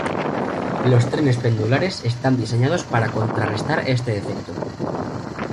Los trenes pendulares están diseñados para contrarrestar este efecto.